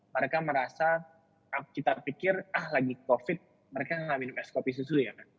mereka merasa kita pikir ah lagi covid mereka nggak minum es kopi susu ya kan